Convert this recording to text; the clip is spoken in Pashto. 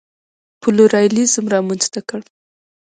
پلورالېزم رامنځته کړ.